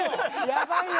やばいよ。